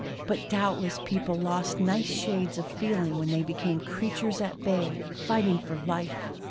But doubtless people lost nice shades of feeling when they became creatures at bay fighting for life.